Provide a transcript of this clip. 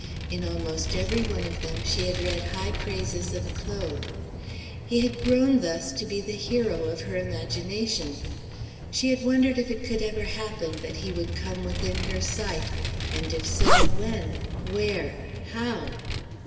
In almost every one of them she had read high praises of Claude. He had grown, thus, to be the hero of her imagination. She had wondered if it could ever happen that he would come within her sight, and if so, when, where, how.